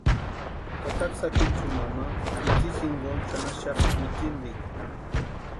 Tataka sapichunha ma itsï jinkoni chʼanaxapti witsintikwa.